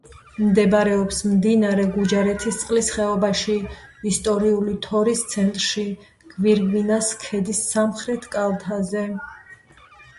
მდებარეობს მდინარე გუჯარეთისწყლის ხეობაში, ისტორიული თორის ცენტრში, გვირგვინას ქედის სამხრეთ კალთაზე.